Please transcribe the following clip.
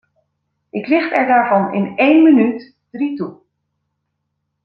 Ik licht er daarvan in één minuut drie toe.